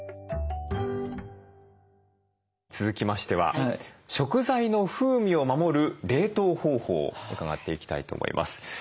続きましては食材の風味を守る冷凍方法伺っていきたいと思います。